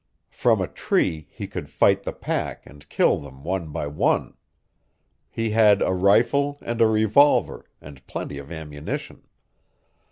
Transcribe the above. From a tree he could fight the pack and kill them one by one. He had a rifle and a revolver, and plenty of ammunition.